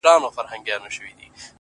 ځوان ژاړي سلگۍ وهي خبري کوي’